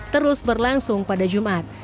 terus berlangsung pada jumat